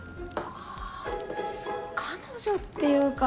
ああ彼女っていうか。